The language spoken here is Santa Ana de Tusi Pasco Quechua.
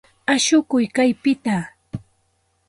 Ashukuy kaypita.